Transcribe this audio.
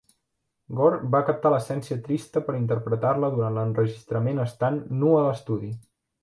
Gore va captar l'essència trista per interpretar-la durant l'enregistrament estant nu a l'estudi.